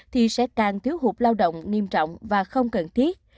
thì sẽ càng thiếu hụt lao động nghiêm trọng và không cần thiết